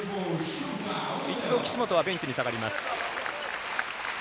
一度、岸本はベンチに下がります。